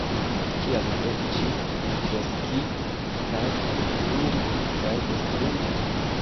Kial do ĝin kreskigi kaj kulturi kaj instrui?